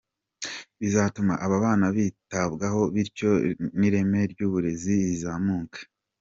Bizatuma aba bana bitabwaho bityo n’ireme ry’uburezi rizamuke”.